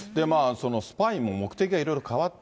そのスパイも目的がいろいろ変わってて。